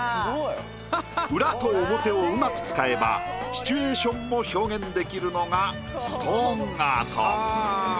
裏と表をうまく使えばシチュエーションも表現できるのがストーンアート。